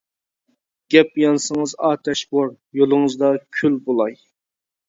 گەپ يانسىڭىز ئاتەش بور، يولىڭىزدا كۈل بۇلاي!